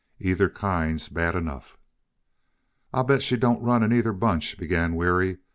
Either kind's bad enough." "I'll bet she don't run in either bunch," began Weary.